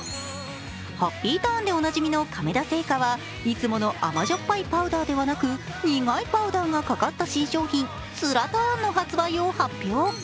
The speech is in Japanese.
ハッピーターンでおなじみの亀田製菓はいつもの甘じょっぱいパウダーではなく苦いパウダーがかかった新商品、つらターンの発売を発表。